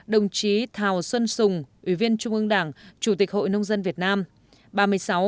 ba mươi năm đồng chí thào xuân sùng ủy viên trung ương đảng chủ tịch hội nông dân việt nam